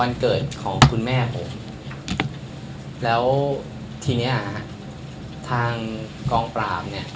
วันเกิดของคุณแม่ผมแล้วทีเนี้ยทางกองปราบเนี่ย